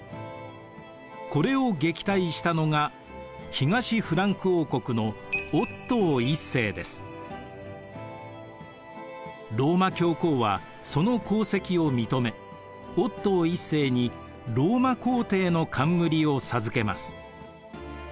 これを撃退したのが東フランク王国のローマ教皇はその功績を認めオットー１世にローマ皇帝の冠を授けます。